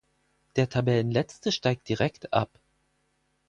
Der Tabellenletzte steigt direkt ab.